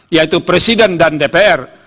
yaitu presiden dan dpr